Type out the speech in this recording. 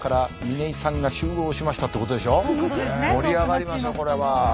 盛り上がりますよこれは。